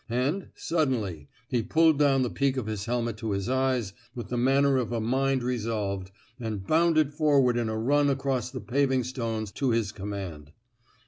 And, suddenly, he pulled down the peak of his helmet to his eyes, with the manner of a mind resolved, and bounded forward in a run across the paving stones to his command.